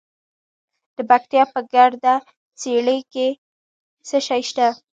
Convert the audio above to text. د پکتیا په ګرده څیړۍ کې څه شی شته؟